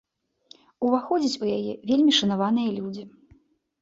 Уваходзяць у яе вельмі шанаваныя людзі.